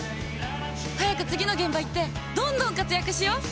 早く次の現場行ってどんどん活躍しよう！